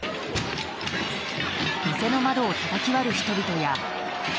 店の窓をたたき割る人々や。